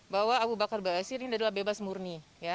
bahwa abu bakar basir ini adalah bebas murni